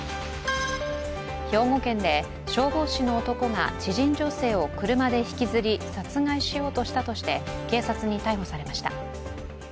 兵庫県で消防士の男が知人女性を車で引きずり殺害しようとしたとして警察に逮捕されました。